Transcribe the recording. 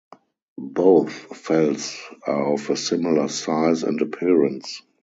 Both fells are of a similar size and appearance.